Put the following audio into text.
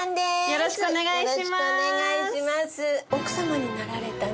よろしくお願いします。